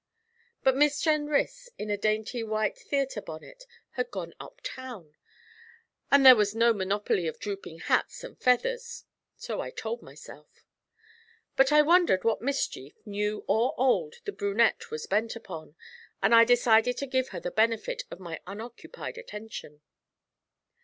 But Miss Jenrys, in a dainty white theatre bonnet, had gone up town; and there was no monopoly of drooping hats and feathers so I told myself. But I wondered what mischief, new or old, the brunette was bent upon, and I decided to give her the benefit of my unoccupied attention.